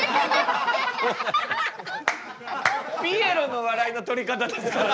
ピエロの笑いの取り方ですからね